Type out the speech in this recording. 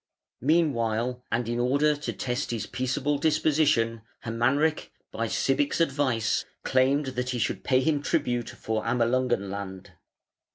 Meanwhile, and in order to test his peaceable disposition, Hermanric, by Sibich's advice, claimed that he should pay him tribute for Amalungen land.